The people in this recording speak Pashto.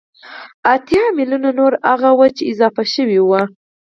اتيا ميليونه نور هغه وو چې اضافه شوي وو